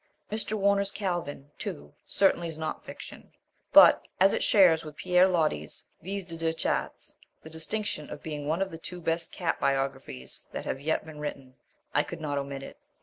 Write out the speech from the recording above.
Mr. Warner's Calvin, too, certainly is not fiction, but as it shares with Pierre Loti's Vies de deux chattes the distinction of being one of the two best cat biographies that have yet been written I could not omit it.